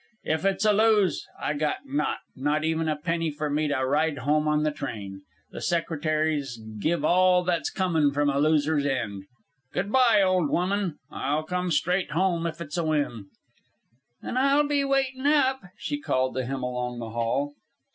If it's a lose, I get naught not even a penny for me to ride home on the tram. The secretary's give all that's comin' from a loser's end. Good bye, old woman. I'll come straight home if it's a win." "An' I'll be waitin' up," she called to him along the hall.